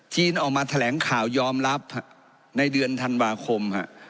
ออกมาแถลงข่าวยอมรับในเดือนธันวาคม